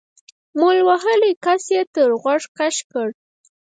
مول وهلي کس يې تر غوږ کش کړ.